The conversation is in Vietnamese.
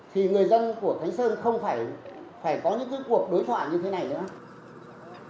thì người dân của khánh sơn không phải có những cuộc đối thoại như thế này nữa